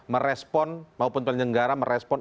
merespon maupun penyelenggara merespon